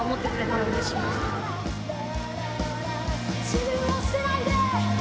自分を捨てないで！